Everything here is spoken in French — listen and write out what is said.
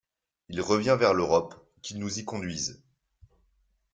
Il revient vers l’Europe, qu’il nous y conduise.